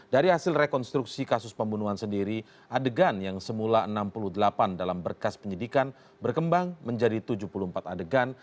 dari hasil rekonstruksi kasus pembunuhan sendiri adegan yang semula enam puluh delapan dalam berkas penyidikan berkembang menjadi tujuh puluh empat adegan